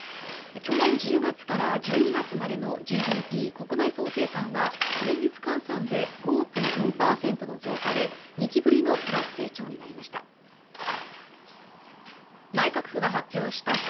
去年１０月から１２月までのＧＤＰ＝国内総生産は年率換算で５．４％の増加で２期ぶりのプラス成長になりました